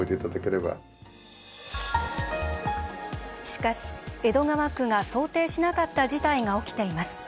しかし、江戸川区が想定しなかった事態が起きています。